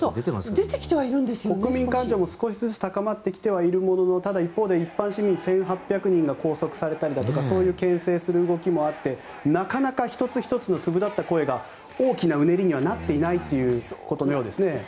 国民感情も少しずつ高まってきているもののただ一方で、一般市民１８００人が拘束されたりとかそういうけん制する動きもあってなかなか１つ１つの粒立った声が大きなうねりにはなっていないということのようですね。